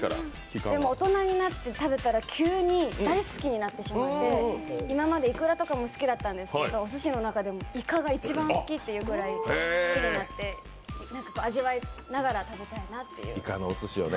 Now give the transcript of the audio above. でも大人になって食べたら、急に大好きになってしまって今までいくらとかも好きだったんですけど、おすしの中でもいかが一番好きというぐらい好きになって味わいながら食べたいなって。